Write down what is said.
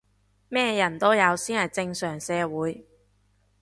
咩人都有先係正常社會